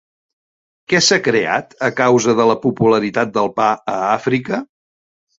Què s'ha creat a causa de la popularitat del pa a Àfrica?